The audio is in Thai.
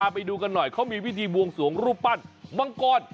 มาไปดูกันหน่อยเขามีวิธีภูมิแบบวงสี่รับปั้นบางกร